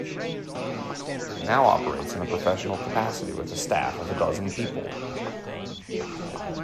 It now operates in a professional capacity with a staff of a dozen people.